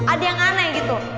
ada yang aneh gitu